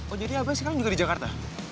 oh jadi apa sekarang juga di jakarta